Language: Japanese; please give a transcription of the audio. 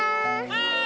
はい！